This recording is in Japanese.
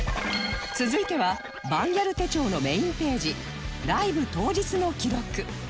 続いてはバンギャル手帳のメインページライブ当日の記録